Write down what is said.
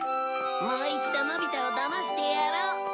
もう一度のび太をだましてやろう。